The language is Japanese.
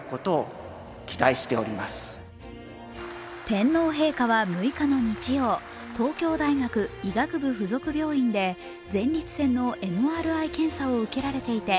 天皇陛下は６日の日曜、東京大学医学部付属病院で前立腺のＭＲＩ検査を受けられていて